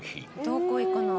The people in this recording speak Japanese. どこ行くの？